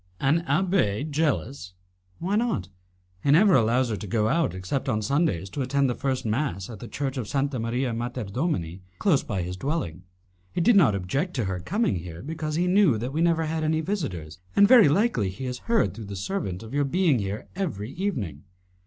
"An abbé jealous?" "Why not? He never allows her to go out except on Sundays to attend the first mass at the Church of Santa Maria Mater Domini, close by his dwelling. He did not object to her coming here, because he knew that we never had any visitors, and very likely he has heard through the servant of your being here every evening."